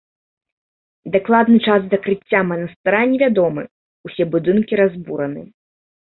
Дакладны час закрыцця манастыра невядомы, усе будынкі разбураны.